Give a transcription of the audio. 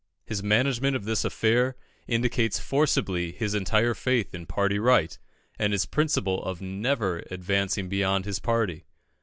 His management of this affair indicates forcibly his entire faith in party right, and his principle of never advancing beyond his party.